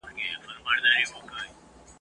ددې لنډۍ تر توري هم زیات اثر درلود.